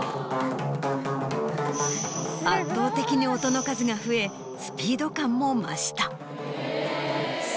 圧倒的に音の数が増えスピード感も増した。